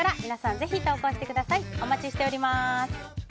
ぜひ投稿してください。